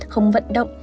không vận động